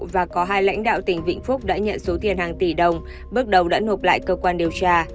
và có hai lãnh đạo tỉnh vĩnh phúc đã nhận số tiền hàng tỷ đồng bước đầu đã nộp lại cơ quan điều tra